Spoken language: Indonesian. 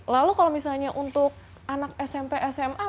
lalu kalau misalnya untuk anak smp sma